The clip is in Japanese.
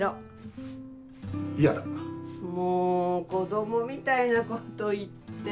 もう子供みたいなこと言って。